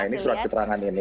ini surat keterangan ini